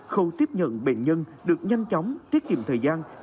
khâu tiếp nhận bệnh nhân được nhanh chóng tiết kiệm thời gian